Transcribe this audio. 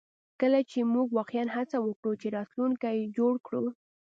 کله چې موږ واقعیا هڅه وکړو چې راتلونکی جوړ کړو